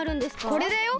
これだよ。